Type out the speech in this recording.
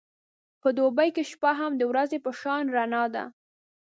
په دوبی کې شپه هم د ورځې په شان رڼا ده.